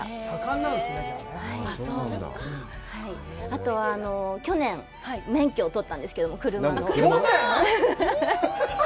あとは、去年免許を取ったんですけれども、車の。